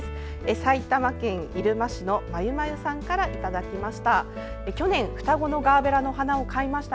埼玉県入間市のまゆまゆさんからいただきました。